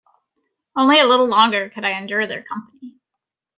Only a little longer could I endure their company.